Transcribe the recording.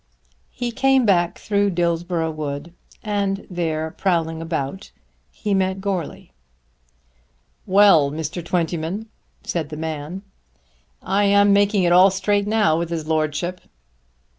He came back through Dillsborough Wood; and there, prowling about, he met Goarly. "Well, Mr. Twentyman," said the man, "I am making it all straight now with his Lordship."